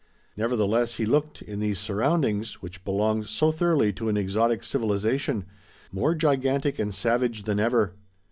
Nevertheless he looked, in those surroundings, which belonged so thoroughly to an exotic civilization, more gigantic and savage than ever.